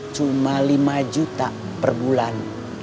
cuma lima juta per bulan